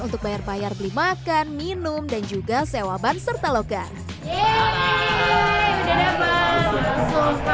untuk bayar bayar beli makan minum dan juga sewa ban serta lokal